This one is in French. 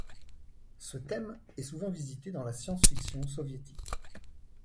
Ce thème est souvent visité dans la science-fiction soviétique.